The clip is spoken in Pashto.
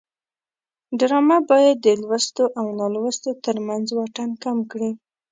ډرامه باید د لوستو او نالوستو ترمنځ واټن کم کړي